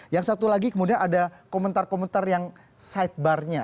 yang satu lagi kemudian ada komentar komentar yang sidebarnya